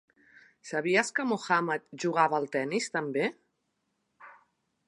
Sabies que en Mohammad jugava al tennis tan bé?